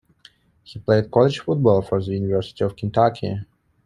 He played college football for the University of Kentucky.